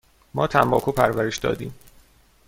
ما تنباکو پرورش دادیم.